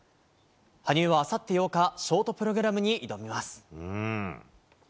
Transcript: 羽生は、あさって８日ショートプログラムに挑みます。